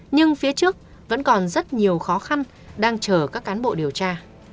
nhưng phía trước vẫn còn rất nhiều khó khăn đang chờ các cán bộ điều tra